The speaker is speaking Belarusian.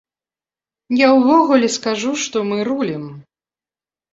Я ўвогуле скажу, што мы рулім.